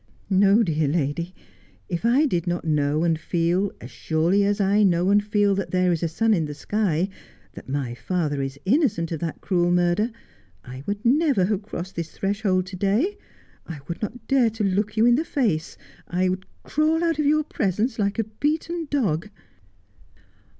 No, dear lady, if I did not know and feel, as surely as I know and feel that there is a sun in the sky, that my father is innocent of that cruel murder, I would never have crossed this threshold to day. I would not dare to look you in the face. I would crawl out of your presence like a beaten dog.'